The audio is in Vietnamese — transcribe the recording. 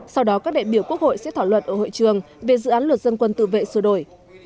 sau đó các đại biểu quốc hội sẽ thảo luận ở hội trường về dự án luật dân quân tự vệ sửa đổi